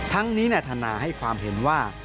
ทั้งนี้แนะบันดาลงให้ความเห็นว่า